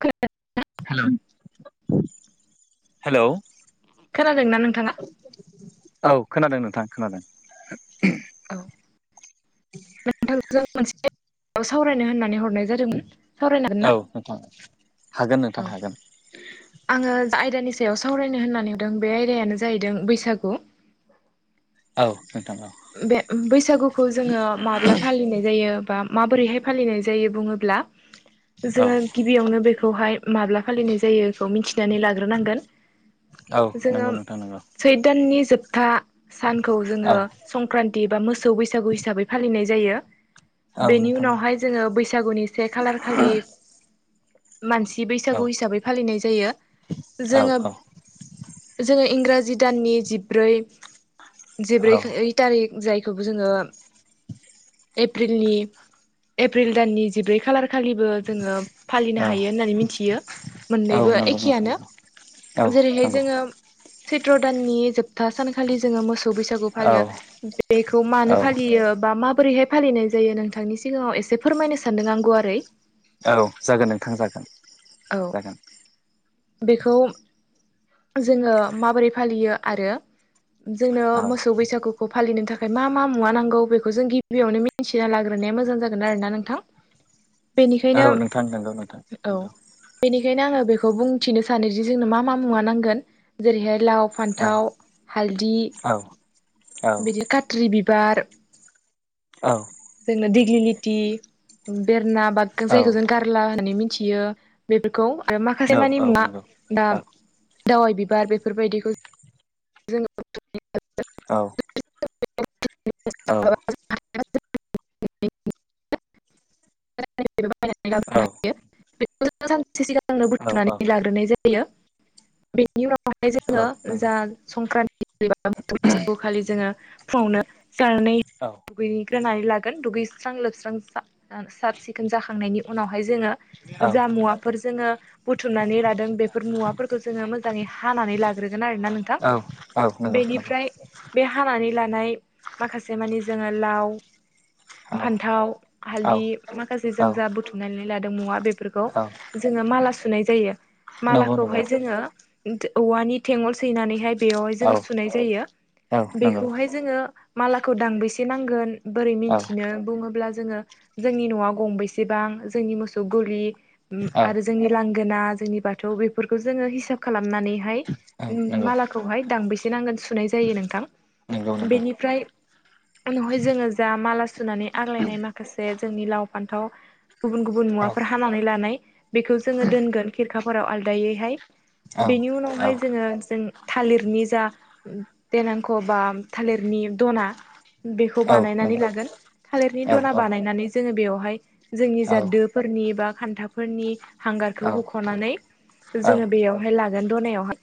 खोना hello hello खोनादोंना नोंथाङा औ खोनादों नोंथां खोनादों औ नोंथांजों मोनसे सावरायनो होननानै हर हरनाय जादोंमोन सावरायनो औ हागोनना नोंथां हागोन नोंथां औ हागोन आङो आयदानि सायाव सावरायनो होननानै बे आयदायानो जाहैदों बैसागु औ नोंथां औ बे बैसागुखौ जोङो माब्ला फालिनाय जायो बा माबोरैहाय फालिनाय जायो। जायो बुङोब्ला औ जोङो गिबियावनो बेखौहाय माब्ला फालिनाय जायो बेखौ मिथिनानै लाग्रोनांगोन औ जोङो नंगौ नोंथां नंगौ सैदाननि जोबथा सानखौ जोङो औ रान्तथि बा मोसौ बैसागु हिसाबै फालिनाय जायो। औ बेनि नोंथां औ उनावहाय जोङो बैसागुनि से खालार खालि मानसि औ बैसागु हिसाबै फालिनाय जायो औ जोङो जोङो इंराज जि दाननि जिब्रै औ जिब्रै थारिख जायखौबो जोङो एफ्रिलनि एफ्रिल दाननि जिब्रै खालार खालिबो जोङो फालिनो औ हायो होननानै मिनथियो औ मोननैबो नंगौ नोंथां एखेयानो औ जेरैहाय नंगौ जोङो सैत्र' दाननि जोबथा सानखालि जोङो मोसौ बैसागु औ फालियो बेखौ मानो औ फालियो बा मा बोरैहाय फालिनाय जायो नोंथांनि सिगाङाव एसे फोरमायनो सानदों आं गुवारै औ जागोन नोंथां जागोन औ जागोन बेखौ जोङो माबोरै फालियो आरो जोंनो औ मोसौ बैसागुखौ फालिनो थाखाय मा मा मुवा नांगौ बेखौ जों गिबियावनो मिन्थिना लाग्रोनाया मोजां जागोन आरो ना नोंथां औ बेनिखायनो नोंथां नंगौ नोंथां औ नंगौ बिनि बेखायनो आङो बेखौ बुंथिनो सानोदि जोंनो मा मा मुवा नांगोन जेरैहाय लाव औ फान्थाव हालदि औ औ बिदि खात्रि बिबार औ जोंना दिग्लि लिथि बेरना बागजों औ जायखौ जों गारला होननानै मिन थियो बेफोरखौ आरो माखासे मानि औ मुङा नंगौ दा औ दावाइ बिबार बेफोरबायदिखौ [unintelligible] औ औ औ [unintelligible] [unintelligible] औ लाबोनो हायो बेखौ सानसे सिगांनो औ औ बुथुमनानै लाग्रोनाय जायो बेनि नि उनावहाय जोङो जा संक्रान्ति बैसु खालि जोङो फुङावनो जानानै दुगैग्रोनानै लागोन दुगैस्रां लोबस्रां जा साब सिखोन जाखांनायनि उनाव ओमफ्राय जोङो जा मुवाफोर जोङो बुथुमनानै लादों बेफोर मुवाफोरखौ जोङो मोजाङै हा हानानै लाग्रोगोन आरोना नोंथां नंगौ नंगौ बेनिफ्राय बे हानानै लानाय माखासे मानि जोङो लाव औ फान्थाव औ हालदि माखासे औ जों जा बुथुमनानै लादों मुवा बेफोरखौ औ जोङो माला सुनाय जायो नंगौ नंगौ मालाखौहाय जोङो औवानि थेगल सैनानैहाय बेयावहाय औ जोङो सुनाय जायो औ नंगौ बेखौहाय जोङो मालाखौ दांबेसे नांगोन बोरै औ मिन्थिनो बुङोब्ला जोङो जोंनि न'आ गंबैसेबां जोंनि मोसौ गलि औ आरो जोंनि लांगोना जोंनि बाथौ बेफोरखौ जोङो हिसाब खालामो नानैहाय औ नंगौ मालाखौहाय दांबिसे नांगोन सुनाय जायो नोंथां नंगौ नंगौ बेनिफ्राय उनहाय जोङो जा माला सुनानै आग्लायनाय माखासे जोंनि लाव फान्थाव गुबुन गुबुन औ मुवाफोर हानानै लानाय बेखौ जोङो दोनगोन खिरखाफोराव आलदायैहाय औ बेनि औ उनावहाय जोङो जों थालिरनि जा देनांख' बा थालिरनि दना बेखौ औ बानायनानै नंगौ लागोन थालिरनि औ दना बानायनानै जोङो बेवहाय जोंनि औ जा दोफोरनि बा खान्थाफोरनि औ हांगारखौ हुख'नानै औ जोङो बेयावहाय लागोन दनायावहाय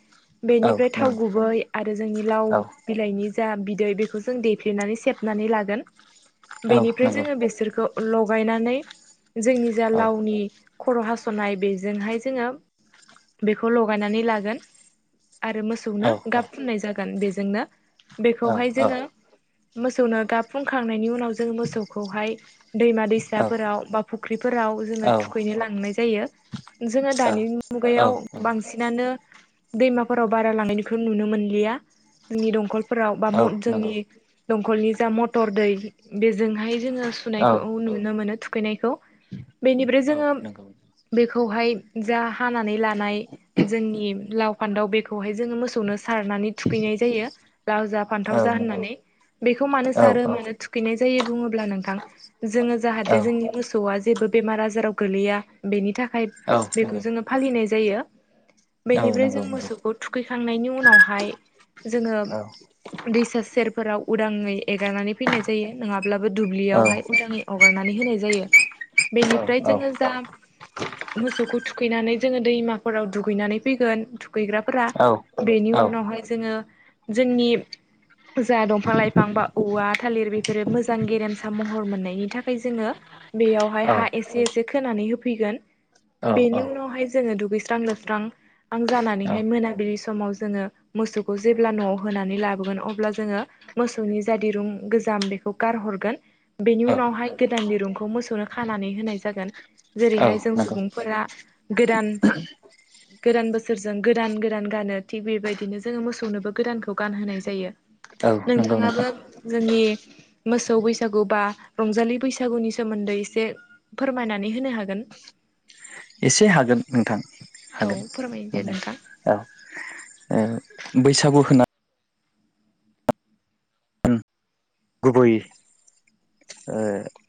बेनिफ्राय थाव नंगौ गुबै आरो जोंनि लाव औ बिलाइनि जा बिदै बेखौ जों देफ्लेनानै सेबनानै लागोन औ नंगौ औ नंगौ औ नंगौ औ नंगौ औ नंगौ औ नंगौ बेनिफ्राय जोङो नंगौ बेसोरखौ लगायनानै जोंनि औ जा लावनि खर' हास'नाय बेजोंहाय जोङो बेखौ लगायनानै लागोन आरो मोसौनो गाब फुननाय जागोन बेजोंनो बेखौहाय जोङो मोसौनो गाबफुंखांनायनि उनाव जोङो मोसौ खौहाय दैमा दैसाफोराव बा फुख्रिफोराव जोङो थुखैनो लांनाय जायो जोङो दानि मुगायाव बांसिनानो दैमाफोराव बारा लांनायखौ नुनो मोनलिया जोंनि दंखल फ्राव जोंनि दंकलनि जा मथर दै बेजोंहाय जों सुनायखौ नुनो मोनो थुखैनायखौ बेनिफ्राय जोङो बेखौहाय जा हानानै लानाय जोंनि लाव फान्दाव बेखौहाय जोङो मोसौनो सारनानै थुखैनाय जायो लाव जा फान्थाव जा होननानै बेखौ मानो सारो मानो थुखैनाय जायो जायो बुङोब्ला नोंथां जोङो जाहाथे जोंनि मोसौआ जेबो बेमार आजाराव गोलैया बेनि थाखाय बेखौ जोङो फालिनाय जायो बेनिफ्राय जों मोसौखौ थुखैखांनायनि उनावहाय जोङो दैसा सेरफोराव उदाङै एगारनानै फैनाय जायो नङाब्लाबो दुब्लियावहाय उदाङै अगारनानै होनाय जायो बेनिफ्राय जोङो जा मोसौखौ थु थुखैनानै जोङो दैमाफोराव दुगैनानै फैगोन गैग्राफोरा बेनि उनावहाय जोङो जोंनि जा दंफां लाइफां बा औवा थालिर बेफोरो मोजां गेरेमसा महर मोननायनि थाखाय जोङो बेयावहाय हा एसे एसे खोनानै होफैगोन बेनि उनावहाय जोङो दुगैस्रां लोबस्रां आं औ जानानैहाय मोनाबिलि समाव जोङो मोसौखौ जेब्ला न'आव होनानै लाबोगोन अब्ला जोङो मोसौनि जा दिरुं गोजाम बेखौ गारहरगोन बेनि औ औ उनावहाय गोदान दिरुंखौ मोसौनो खानानै होनाय जागोन औ जेरैहाय जों नंगौ सुबुंफोरा गोदान गोदान बोसोरजों गोदान गोदान गानो थिग बेबायदिनो जोङो मोसौनोबो गोदानखौ गानहोनाय जायो औ नंगौ नोंथाङाबो नोंथां जोंनि मोसौ बैसागु बा रंजालि बैसागुनि सोमोन्दै एसे फोरमायनानै होनो हागोन [inaudible] एसे हागोन नोंथां औ हागोन फोरमाय दे माने नोंथां औ बैसागु होना गुबुबै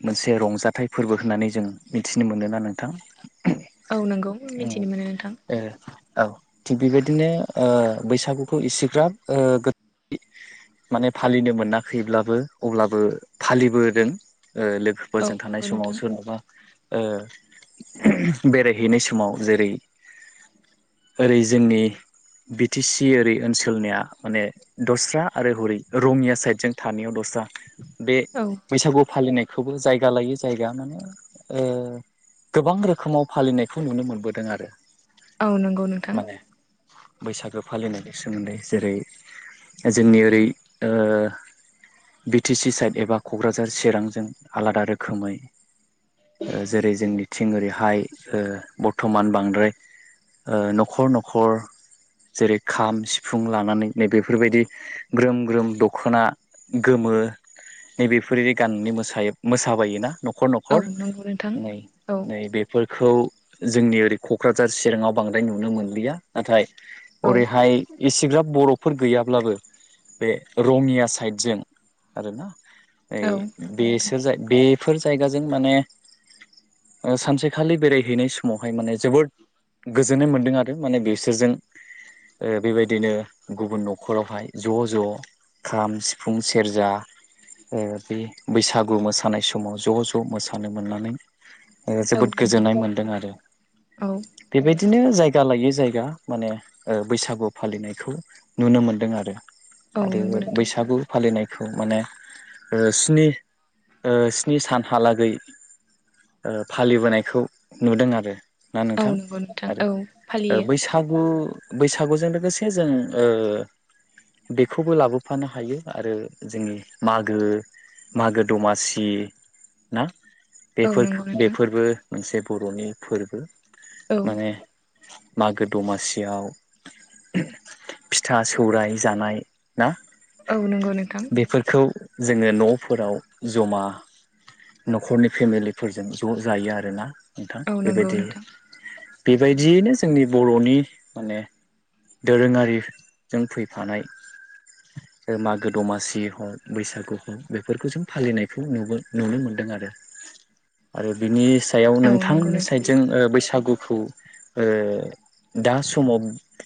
मोनसे रंजाथाइ फोरबो होननानै जों मिथिनो मोनोना नोंथां औ नंगौ मिथिनो मोनो नोंथां ए औ थिग बेबायदिनो बैसागुखौ इसेग्राब गो माने फालिनो मोनाखैब्लाबो अब्लाबो फालिबोदों औ लोगोफोरजों थानाय नंगौ समाव नोंथां सोरनबा बेरायहैनाय समाव जेरै ओरै जोंनि बि टि सि ओरै ओनसोलनिया माने दस्रा आरो हरै रंइया साइडजों सानैयाव दस्रा बे औ बैसागुआव फालिनाय खौबो जायगा लायो जायगा ओ माने गोबां रोखोमाव फालिनायखौ नुनो मोनबोदों आरो औ नंगौ नोंथां माने बैसागो फालिनायनि सोमोन्दै जेरै जोंनि ओरै ओ बि टि सि साइड एबा क'क्राझार चिरांजों आलादा रोखोमै ओ जेरै जोंनि थिं ओरैहाय बर्थ'मान बांद्राय न'खर न'खर जेरै खाम सिफुं लानानै नैबेफोरबायदि ग्रोम ग्रोम दख'ना गोमो नैबेफोरि गाननानै मोसायो मोसाबायोना न'खर औ न'खर नंगौ नोंथां नै औ नै बेफोरखौ जोंनि ओरै क'क्राझार चिराङाव बांद्राय नुनो मोनलिया नाथाय औ ओरैहाय इसेग्राब बर'फोर गैयाब्लाबो बे रङिया साइडजों आरोना ओ औ नंगौ नोंथां बेसो जा बेफोर जायगाजों माने ओ सानसेखालि बेरायहैनाय समावहाय माने जोबोद गोजोननाय मोन्दों आरो माने बिसोरजों ओ बेबायदिनो गुबुन न'खरावहाय ज' ज' खाम सि फुं सेरजा ओ बे बैसागु मोसानाय समाव ज' ज' मोसानो मोननानै ओ औ जोबोद नंगौ गोजोननाय नोंथां मोन्दों आरो औ बेबायदि दिनो जायगा लायै जायगा माने ओ बैसागु फालिनायखौ नुनो मोनदों आरो औ आरो नंगौ नोंथां बैसागु लिनायखौ माने ओ स्नि ओ स्नि सानहालागै ओ फालिबोनायखौ नुदों आरो ना औ नोंथां नंगौ नोंथां आरो औ ओ फालियो बैसागु बैसागुजों लोगोसे जों ओ बेखौबो लाबोफानो हायो आरो जोंनि मागो मागो दमासि ना औ बेफोर नंगौ नोंथां बेफोरबो मोनसे बर'नि फोरबो औ माने मागो दमासियाव फिथा सौराय जानाय ना औ नंगौ नोंथां बेफोरखौ जोङो न'फोराव जमा न'खरनि फेमिलिफोरजों ज' जायो आरोना नोंथां औ नंगौ बेबायदि नोंथां बेबायदियैनो जोंनि बर'नि माने दोरोङारिजों फैफानाय मागो दमासि हग बैसागु हक बेफोरखौ जों फालिनायखौ नुगो नुनो मोनदों आरो आरो बिनि सायाव औ नंगौ नोंथांनि नोंथां साइडजों ओ बैसागुखौ ओ दा समाव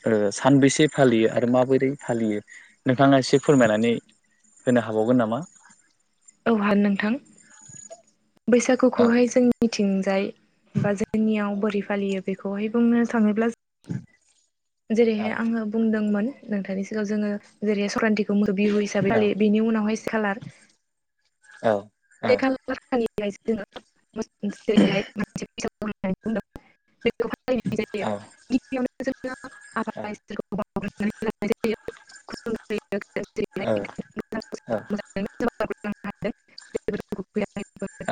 ओ सानबैसे फालियो आरो माबोरै फालियो नोंथाङा एसे फोरमायनानै होनो हाबावगोन नामा औ हा नोंथां [inaudible] औ बैसागुखौहाय जों निथिंजाय बा जोंनियाव बोरै फालियो बेखौहाय बुंनो थाङोब्ला औ जेरैहाय आङो बुंदोंमोन नोंथांनि सिगाङाव जोङो जेरैहाय संख्रान्थि गुमुर बिहु हिसाबै औ फालियो बेनि उनावहाय खालार औ औ [unintelligible] औ [inaudible] [inaudible] [inaudible]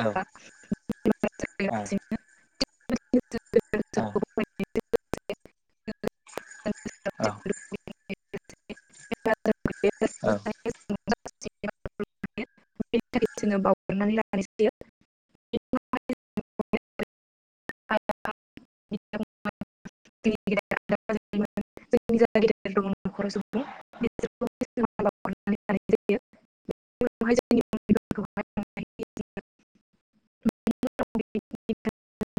औ [inaudible] औ औ [inaudible] [inaudible] [inaudible] [inaudible] [inaudible] [inaudible] [inaudible]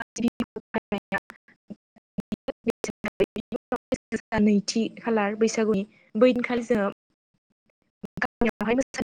[unintelligible] [unintelligible] नैथि खालार बैसागुनि बैनिखालि [inaudible] [unintelligible] [unintelligible]